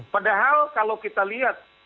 padahal kalau kita lihat